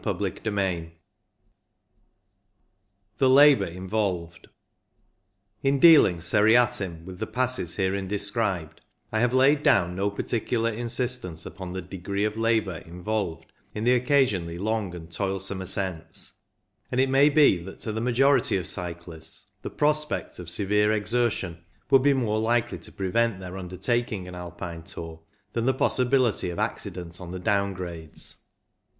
CHAPTER XVI THE LABOUR INVOLVED In dealing seriatim with the passes herein described, I have laid down no par ticular insistence upon the degree of labour involved in the occasionally long and toilsome ascents, and it may be that to the majority of cyclists the prospect of severe exertion would be more likely to prevent their undertaking an Alpine tour than the possibility of accident on the down grades.